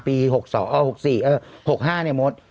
ปี๖๐เอ้า่๖๔เออ๖๕เนี่ยโมด